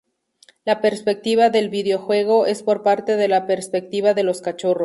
La perspectiva del videojuego es por parte de la perspectiva de los cachorros.